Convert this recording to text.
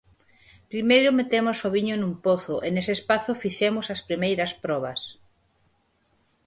Primeiro metemos o viño nun pozo e nese espazo fixemos as primeiras probas.